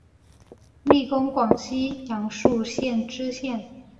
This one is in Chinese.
历官广西阳朔县知县。